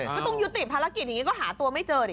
ก็ต้องยุติปารักษ์ฝนตกก็หาตัวไม่เจอ